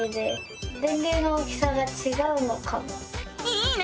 いいね！